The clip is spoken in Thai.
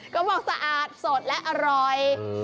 ก็บอกสะอาดสดและอร่อย